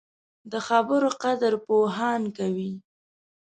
د خبرو قدر پوهان کوي